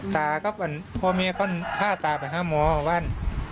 ตาก็พ่อแม่ก็ข้าตาไปหาหมอบ้าน